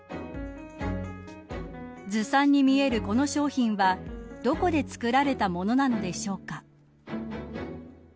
ずさんに見えるこの商品はどこで作られたものなのでしょうか。